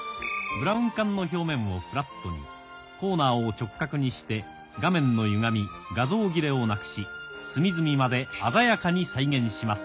ブラウン管の表面をフラットに、コーナーを直角にして、画面の歪み、画像切れをなくし、隅々まで鮮やかに再現します。